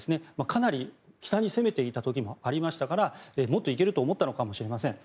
かなり北に攻めていた時もありましたからもっと行けると思ったのかもしれません。